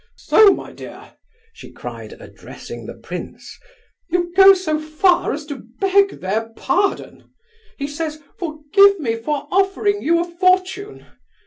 So, my dear," she cried, addressing the prince, "you go so far as to beg their pardon! He says, 'Forgive me for offering you a fortune.